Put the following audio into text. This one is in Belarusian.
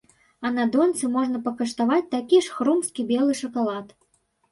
А на донцы можна пакаштаваць такі ж хрумсткі белы шакалад.